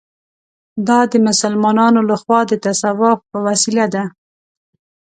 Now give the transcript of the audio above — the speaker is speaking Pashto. دا د مسلمانانو له خوا د تصوف په وسیله ده.